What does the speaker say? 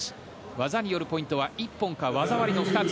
技によるポイントは一本か技ありの２つ。